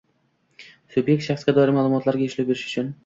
Subyekt shaxsga doir ma’lumotlarga ishlov berish uchun